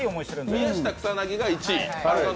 宮下草薙が１位。